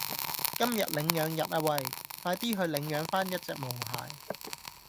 今日領養日啊餵，快啲去領養返一隻毛孩